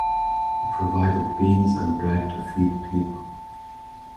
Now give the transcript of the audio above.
He provided beans and bread to feed people.